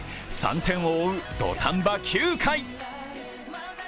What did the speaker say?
３点を追う土壇場９回。